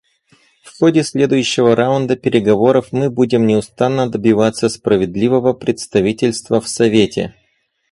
В ходе следующего раунда переговоров мы будем неустанно добиваться справедливого представительства в Совете.